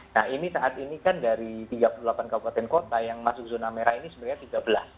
nah ini saat ini kan dari tiga puluh delapan kabupaten kota yang masuk zona merah ini sebenarnya tiga belas